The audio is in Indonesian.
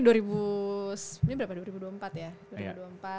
ini berapa dua ribu dua puluh empat ya